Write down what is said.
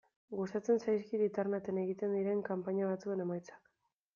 Gustatzen zaizkit Interneten egiten diren kanpaina batzuen emaitzak.